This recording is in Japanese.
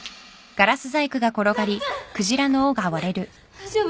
大丈夫？